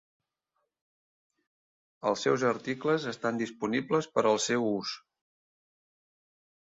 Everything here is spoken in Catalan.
Els seus articles estan disponibles per al seu ús.